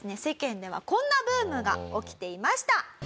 世間ではこんなブームが起きていました。